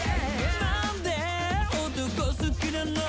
なんで男好きなの？